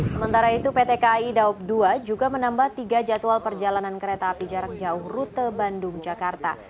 sementara itu pt kai daup dua juga menambah tiga jadwal perjalanan kereta api jarak jauh rute bandung jakarta